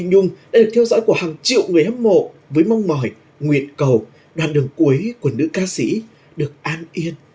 nhung đã được theo dõi của hàng triệu người hâm mộ với mong mỏi nguyện cầu đoàn đường cuối của nữ ca sĩ được an yên